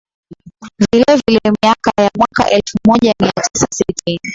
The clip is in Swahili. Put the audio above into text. Vilevile miaka ya mwaka elfumoja miatisa sitini